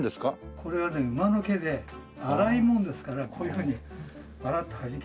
これはね馬の毛で粗いもんですからこういうふうにバラッてはじけるんです。